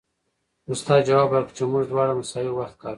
استاد ځواب ورکړ چې موږ دواړه مساوي وخت کار کوو